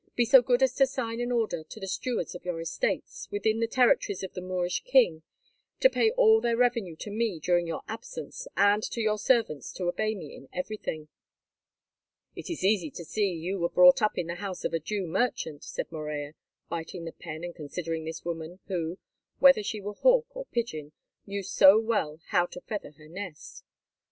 Be so good as to sign an order to the stewards of your estates, within the territories of the Moorish king, to pay all their revenue to me during your absence, and to your servants to obey me in everything." "It is easy to see that you were brought up in the house of a Jew merchant," said Morella, biting the pen and considering this woman who, whether she were hawk or pigeon, knew so well how to feather her nest.